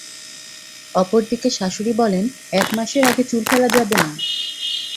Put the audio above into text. অপর দিকে শাশুড়ি বলেন, এক মাসের আগে চুল ফেলা যাবে না।